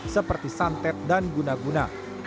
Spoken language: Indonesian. seperti santet dan guna guna